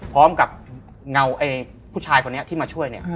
พร้อมกับเงาผู้ชายคนนี้ที่มาช่วยเนี่ย